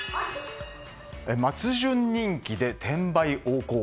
松潤人気で転売横行。